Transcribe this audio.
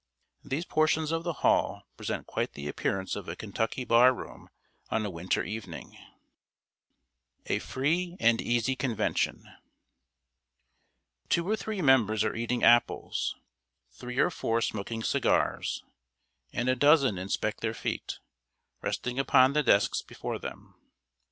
These portions of the hall present quite the appearance of a Kentucky bar room on a winter evening. [Sidenote: A FREE AND EASY CONVENTION.] Two or three members are eating apples, three or four smoking cigars, and a dozen inspect their feet, resting upon the desks before them.